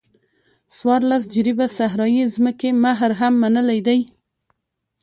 څوارلس جریبه صحرایي ځمکې مهر هم منلی دی.